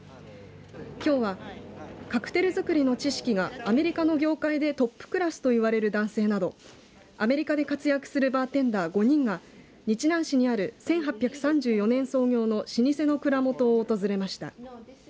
きょうはカクテル作りの知識がアメリカの業界でトップクラスといわれる男性などアメリカで活躍するバーテンダー５人が日南市にある１８３４年創業の老舗の蔵元を訪れました。